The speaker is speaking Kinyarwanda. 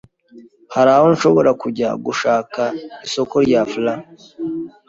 Hari aho nshobora kujya gushaka isoko rya fla?